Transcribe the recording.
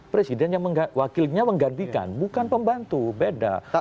presiden yang wakilnya menggantikan bukan pembantu beda